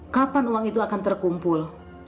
kapan uang itu akan terkumpul